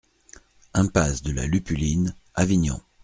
Impasse de la Lupuline, Avignon